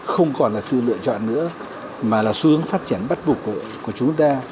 không còn là sự lựa chọn nữa mà là xu hướng phát triển bắt buộc của chúng ta